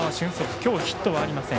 今日ヒットはありません。